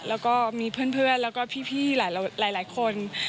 แล้วก็มีเพื่อนแล้วก็พี่หลายคน